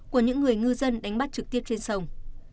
của những người ngư dân đánh bắt trực tiếp trên sông